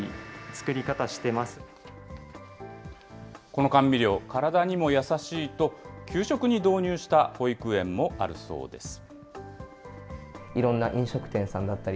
この甘味料、体にも優しいと、給食に導入した保育園もあるそうです。